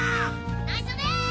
内緒です！